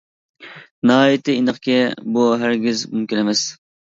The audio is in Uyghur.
ناھايىتى ئېنىقكى، بۇ ھەرگىز مۇمكىن ئەمەس.